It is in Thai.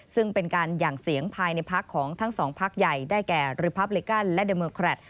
ซึ่งเป็นการหยั่งเสียงภายในพักของทั้งสองพักใหญ่ได้แก่หรือพับลิกันและเดอร์เมอร์แครต